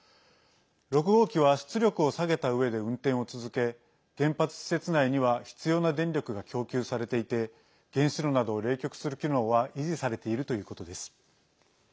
６号機は出力を下げたうえで運転を続け原発施設内には必要な電力が供給されていて原子炉などを冷却する機能は維持されているということです。